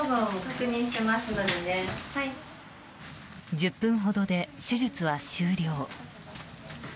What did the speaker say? １０分ほどで手術は終了。